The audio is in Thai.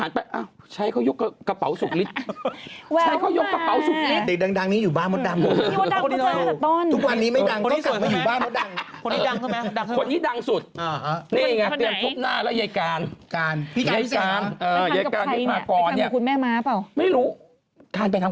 ตายฉันก็บอกเด็กคนนี้ดูกันก็เป็นซุปเปอร์สตาร์นะ